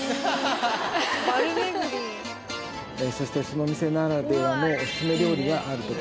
その店ならではのお薦め料理がある。